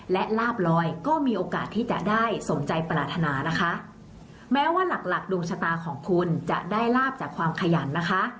และลาบลอยก็มีโอกาสที่จะได้สมใจปรารถนานะคะแม้ว่าหลักหลักดวงชะตาของคุณจะได้ลาบจากความขยันนะคะ